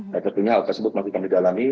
nah tentunya hal tersebut masih kami dalami